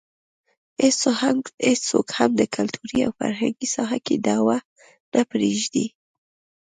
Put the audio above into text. هېڅوک هم د کلتوري او فرهنګي ساحه کې دعوه نه پرېږدي.